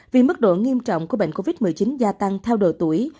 vì mức độ nghiêm trọng của bệnh covid một mươi chín gia tăng theo độ tuổi